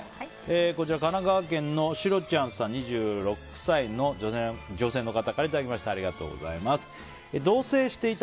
こちら、神奈川県の２６歳の女性の方からいただきました。